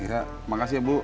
iya makasih ya bu